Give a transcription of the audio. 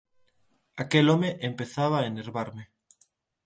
Aquel home empezaba a enervarme.